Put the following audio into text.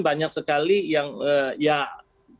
banyak sekali yang